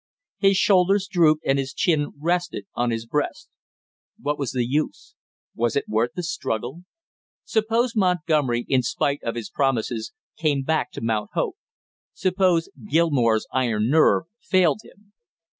His shoulders drooped and his chin rested on his breast. What was the use was it worth the struggle? Suppose Montgomery, in spite of his promises, came back to Mount Hope, suppose Gilmore's iron nerve failed him!